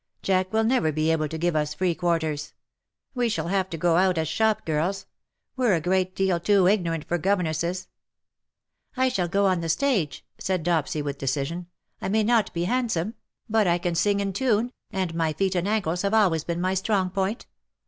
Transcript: Jack will never be able to give us free quarters. We shall have to go out as shop girls. We^re a great deal too igno rant for governesses." " I shall go on the stage," said Dopsy, with decision. ^' I may not be handsome — but I can 192 " AND PALE FROM THE PAST sing in tune, and my feet and ankles have always been my strong point.